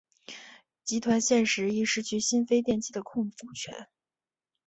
集团现时亦失去新飞电器的控股权。